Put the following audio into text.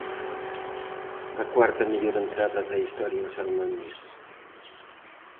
A cuarta mellor entrada da historia en San Mamés.